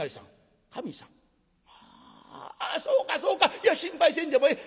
いや心配せんでもええ。